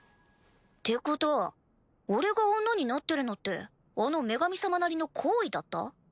てことは俺が女になってるのってあの女神様なりの厚意だった？